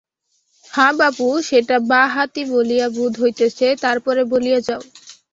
হাঁ বাপু, সেটা বাঁ-হাতি বলিয়া বোধ হইতেছে, তার পরে বলিয়া যাও।